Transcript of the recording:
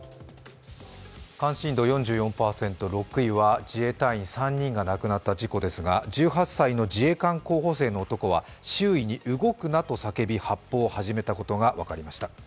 関心度４４％、６位は自衛隊員３人が亡くなった事件ですが、１８歳の自衛官候補生の男は周囲に「動くな」と叫び、発砲を始めたことが分かりました。